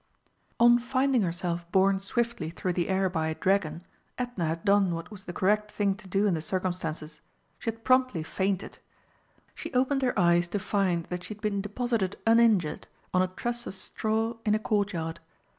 On finding herself borne swiftly through the air by a dragon, Edna had done what was the correct thing to do in the circumstances she had promptly fainted. She opened her eyes to find that she had been deposited uninjured, on a truss of straw in a Courtyard.